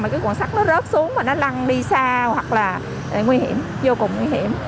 mà cái quạng sắt nó rớt xuống và nó lăn đi xa hoặc là nguy hiểm vô cùng nguy hiểm